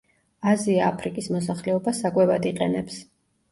აზია-აფრიკის მოსახლეობა საკვებად იყენებს.